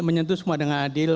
menyentuh semua dengan adil